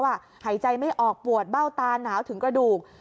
หายใจไม่ออกปวดเบ้าตาหนาวถึงกระดูก